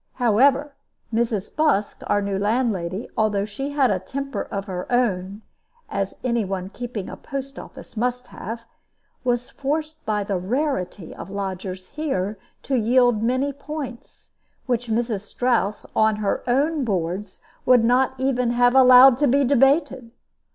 However, Mrs. Busk, our new landlady, although she had a temper of her own (as any one keeping a post office must have) was forced by the rarity of lodgers here to yield many points, which Mrs. Strouss, on her own boards, would not even have allowed to be debated.